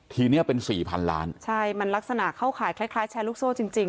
ทีเนี้ยเป็นสี่พันล้านใช่มันลักษณะเข้าข่ายคล้ายคล้ายแชร์ลูกโซ่จริงจริง